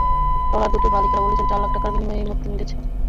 Trawler দুটির মালিকেরা বলেছেন, চার লাখ টাকার বিনিময়ে এই মুক্তি মিলেছে।